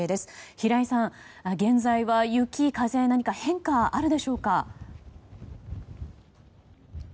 平井さん、現在は雪や風の変化は何かあるでしょうか？